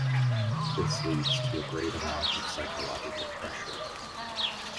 This leads to a great amount of psychological pressure.